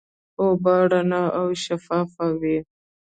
اوبه رڼا او شفافه وي.